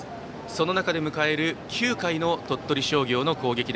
その中で迎える９回の鳥取商業の攻撃。